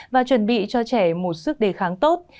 và chuẩn bị cho trẻ một sức đề kháng tốt